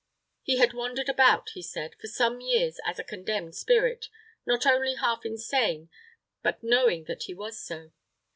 He had wandered about, he said, for some years as a condemned spirit, not only half insane, but knowing that he was so.